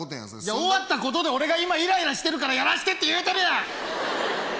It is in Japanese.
終わったことで俺が今イライラしてるからやらしてって言うてるやん！